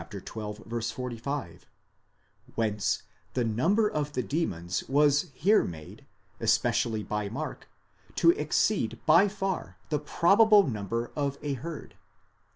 45) ; whence the number of the demons was here made, especially by Mark, to exceed by far the probable number of a herd.